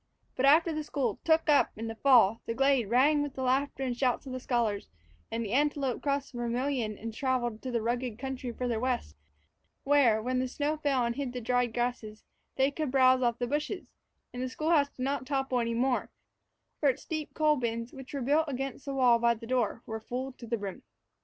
But, after school "took up" in the fall, the glade rang with the laughter and shouts of the scholars, and the antelope crossed the Vermillion and traveled to the rugged country farther west, where, when the snow fell and hid the dried grass, they could browse off the bushes; and the school house did not topple any more, for its deep coal bins, which were built against the wall by the door, were full to the brim.